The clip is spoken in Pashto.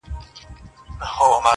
پر دې لار تر هیڅ منزله نه رسیږو -